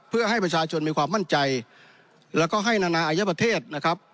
เพื่อให้ประชาชนมีความมั่นใจแล้วก็ให้นานาอายประเทศนะครับ